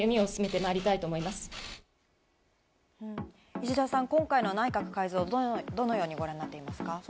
石田さん、今回の内閣改造、どうご覧になっていますか？